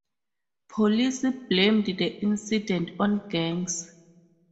Police blamed the incident on gangs.